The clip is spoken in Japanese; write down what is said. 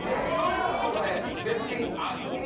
ここで絶品厚切り